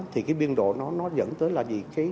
thì cái biên độ nó dẫn tới là gì